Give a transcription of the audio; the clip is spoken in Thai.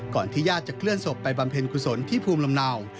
ที่ญาติจะเคลื่อนศพไปบำเพ็ญกุศลที่ภูมิลำเนา